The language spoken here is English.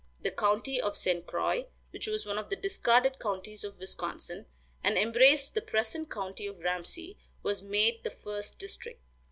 The county of St. Croix, which was one of the discarded counties of Wisconsin, and embraced the present county of Ramsey, was made the first district.